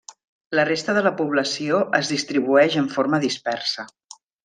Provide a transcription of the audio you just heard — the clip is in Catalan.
La resta de la població es distribueix en forma dispersa.